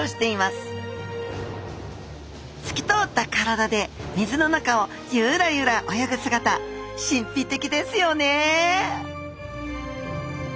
すき通った体で水の中をゆらゆら泳ぐ姿神秘的ですよね